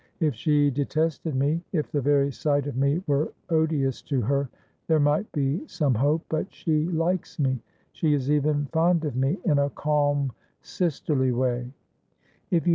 If she detested me ; if the very sight of me were odious to her ; there might be some hope. But she likes jne — she is even fond of me ; in a calm sisterly way. If you 166 Asphodel.